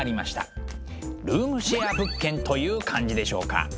ルームシェア物件という感じでしょうか。